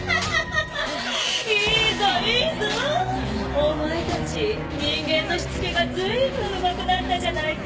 お前たち人間のしつけがずいぶんうまくなったじゃないか。